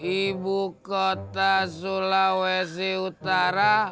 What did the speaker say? ibu kota sulawesi utara